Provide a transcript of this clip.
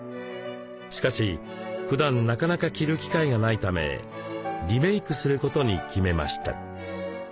しかしふだんなかなか着る機会がないためリメイクすることに決めました。